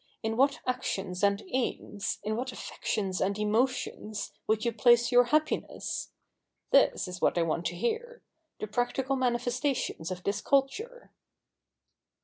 In what actions and aims, in what affec tions and emotions, would you place your happiness ? That is what I want to hear — the practical manifestations of this culture.'